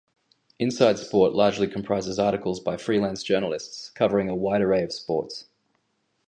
"Inside Sport" largely comprises articles by freelance journalists, covering a wide array of sports.